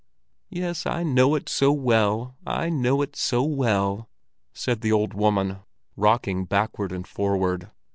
"Yes, I know it so well, I know it so well," said the old woman, rocking backward and forward.